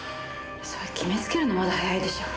そう決めつけるのはまだ早いでしょ。